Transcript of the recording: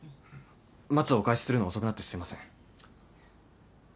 松をおかえしするの遅くなってすいません。